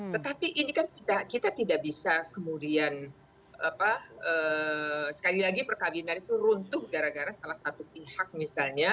tetapi ini kan kita tidak bisa kemudian sekali lagi perkahwinan itu runtuh gara gara salah satu pihak misalnya